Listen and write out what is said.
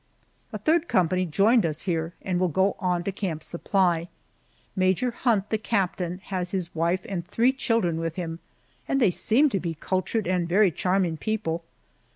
A third company joined us here and will go on to Camp Supply. Major Hunt, the captain, has his wife and three children with him, and they seem to be cultured and very charming people.